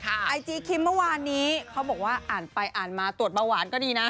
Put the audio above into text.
ไอจีคิมเมื่อวานนี้เขาบอกว่าอ่านไปอ่านมาตรวจเบาหวานก็ดีนะ